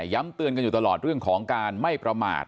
เตือนกันอยู่ตลอดเรื่องของการไม่ประมาท